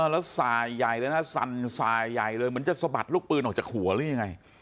แล้วสายใหญ่เลยนะสั่นสายใหญ่เลยเหมือนจะสะบัดลูกปืนออกจากหัวหรือยังไง